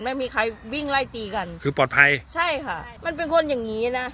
ไม่มีใครวิ่งไล่ตีกันคือปลอดภัยใช่ค่ะมันเป็นคนอย่างงี้นะ